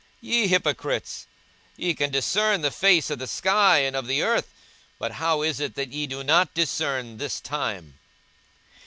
42:012:056 Ye hypocrites, ye can discern the face of the sky and of the earth; but how is it that ye do not discern this time?